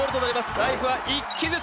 ライフは１機ずつ。